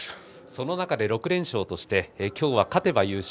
その中で６連勝として今日は勝てば優勝。